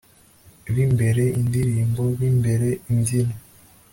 bimbere indirimbo, bimbere imbyino